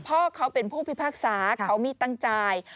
พ่อเขาเป็นผู้พิพากษาเขามีตั้งใจ